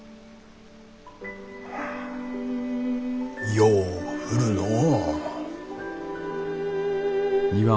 ・よう降るのう。